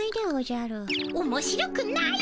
おもしろくない？